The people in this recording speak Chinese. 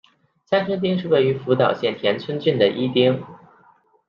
三春町是位于福岛县田村郡的一町。